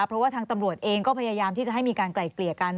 เพราะว่าทางตำรวจเองก็พยายามที่จะให้มีการไกล่เกลี่ยกัน